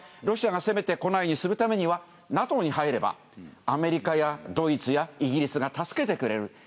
ロシアが攻めてこないようにするためにはＮＡＴＯに入ればアメリカやドイツやイギリスが助けてくれる。